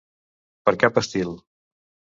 Per cap estil.